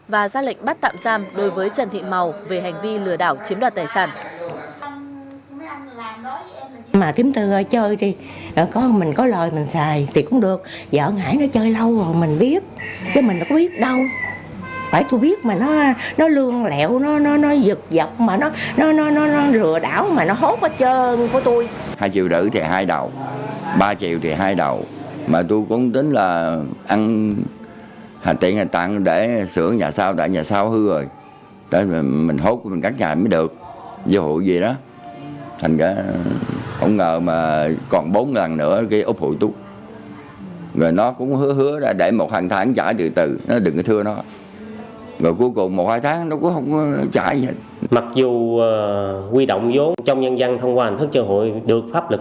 và ra lệnh bắt tạm giam đối với trần thị màu